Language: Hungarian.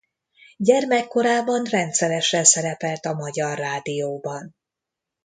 Gyermekkorában rendszeresen szerepelt a Magyar Rádióban.